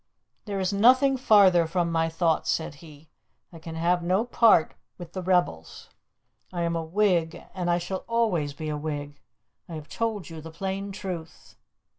"There is nothing farther from my thoughts," said he. "I can have no part with rebels. I am a Whig, and I shall always be a Whig. I have told you the plain truth."